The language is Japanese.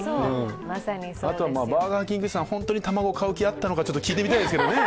あとはバーガーキングさん、本当に卵を買う気があったのかちょっと聞いてみたいですけどね。